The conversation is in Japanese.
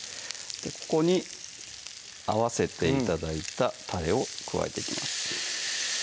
ここに合わせて頂いたたれを加えていきます